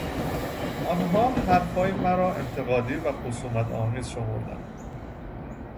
آنها حرفهای مرا انتقادی و خصومتآمیز شمردند